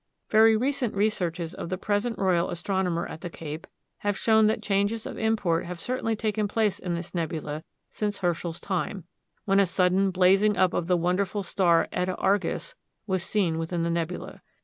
Very recent researches of the present royal astronomer at the Cape have shown that changes of import have certainly taken place in this nebula since Herschel's time, when a sudden blazing up of the wonderful star Eta Argus was seen within the nebula.